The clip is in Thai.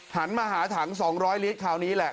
หันมาหาถัง๒๐๐ลิตรคราวนี้แหละ